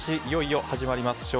いよいよ始まります。